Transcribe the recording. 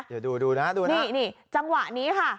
เดี๋ยวดูนะดูนะนี่จังหวะนี้ค่ะ